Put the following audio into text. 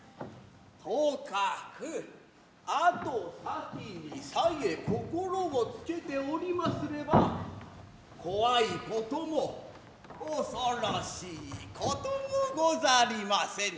とかく後先にさえ心を付けておりますれば怖いことも恐ろしいこともござりませぬ。